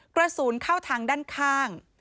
กระสุนเข้าทางด้านข้าง